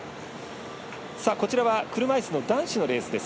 こちらは車いすの男子のレースです。